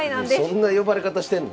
そんな呼ばれ方してんの？